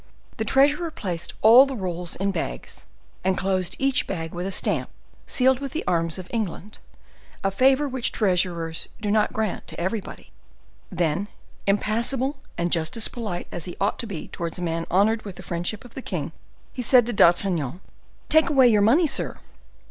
The treasurer placed all the rolls in bags, and closed each bag with a stamp sealed with the arms of England, a favor which treasurers do not grant to everybody. Then, impassible, and just as polite as he ought to be towards a man honored with the friendship of the king, he said to D'Artagnan: "Take away your money, sir."